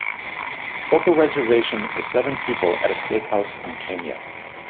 Book a reservation for seven people at a steakhouse in Kenya